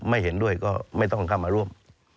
ไม่เห็นด้วยก็ไม่ต้องเข้ามาร่วม